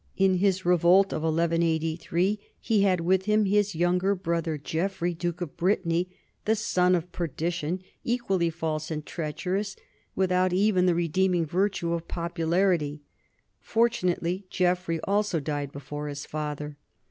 In this revolt of 1183 he had with him his younger brother Geoffrey, duke of Brittany, 'the son of perdition,' equally false and treacherous, without even the re deeming virtue of popularity. Fortunately Geoffrey also died before his father.